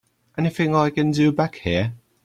Anything I can do back here?